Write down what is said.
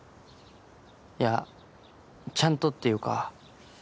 いやちゃんとっていうか